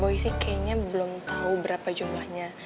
boy sih kayaknya belum tau berapa jumlahnya